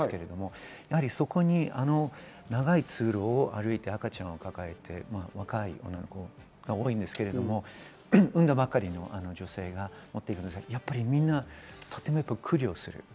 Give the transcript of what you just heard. そこに長い通路を歩いて、赤ちゃんを抱えて、若い女の子が多いんですけれども、産んだばかりの女性がいますが、みんなとっても苦慮します。